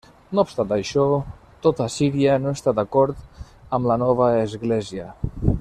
No obstant això, tota Síria no està d'acord amb la nova església.